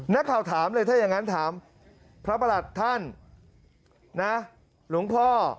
นักข่าวถามเลยถ้าอย่างนั้นถามพระประหลัดท่านนะหลวงพ่อ